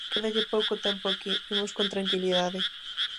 Quédalle pouco tempo aquí, imos con tranquilidade.